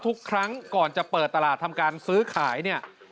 ทุกครั้งก่อนจะเปิดตลาดทำการซื้อขายเนี่ย